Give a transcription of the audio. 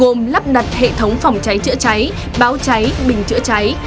gồm lắp đặt hệ thống phòng cháy chữa cháy báo cháy bình chữa cháy